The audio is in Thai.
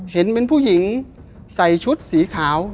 เห็นเป็นผู้หญิงใส่ชุดสีขาว